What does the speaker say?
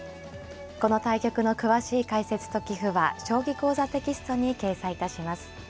この対局の詳しい解説と棋譜は「将棋講座」テキストに掲載いたします。